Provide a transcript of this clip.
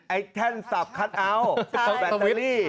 ไอ้แท่นสับคัทเอาแบตเตอรี่